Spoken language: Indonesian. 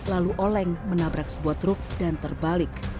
lalu oleng menabrak sebuah truk dan terbalik